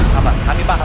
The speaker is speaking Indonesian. sabar kami paham